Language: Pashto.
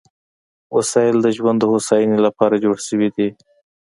وسایل د ژوند د هوساینې لپاره جوړ شوي دي.